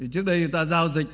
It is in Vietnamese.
trước đây người ta giao dịch